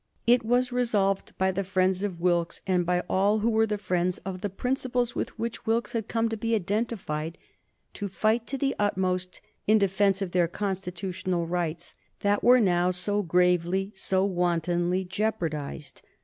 It was resolved by the friends of Wilkes, and by all who were the friends of the principles with which Wilkes had come to be identified, to fight to the utmost in defence of their constitutional rights, that were now so gravely, so wantonly jeopardized.